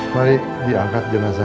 mari diangkat jenazah